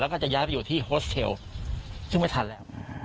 แล้วก็จะย้ายไปอยู่ที่โฮสเทลซึ่งไม่ทันแล้ว